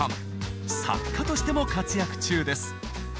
作家としても活躍中です。